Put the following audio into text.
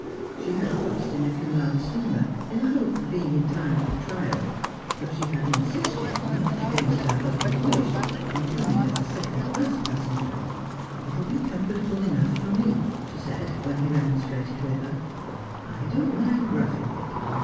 She had crossed in a Cunard steamer in the hope of being in time for the trial ; but she had insisted, much against her husband's wish, on coming as a second class passenger. ' It'll be comfortable enough for me,' she said when he remonstrated with her. ' I don't mind roughing it.